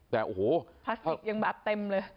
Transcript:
พลาสติกยังบาปเต็มเลย